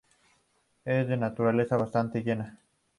Es de naturaleza bastante llana.